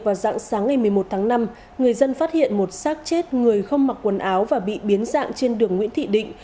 vào dạng sáng ngày một mươi một tháng năm người dân phát hiện một sát chết người không mặc quần áo và bị biến dạng trên đường nguyễn thị định